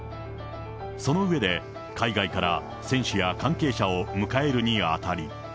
その上で、海外から選手や関係者を迎えるにあたり。